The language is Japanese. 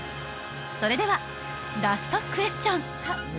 それではラストクエスチョン